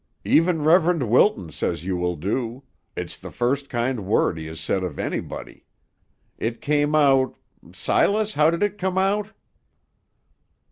Even Reverend Wilton says you will do; it's the first kind word he ever said of anybody. It came out Silas, how did it come out?"